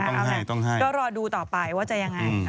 ก็รอดูต่อไปว่าจะยังไง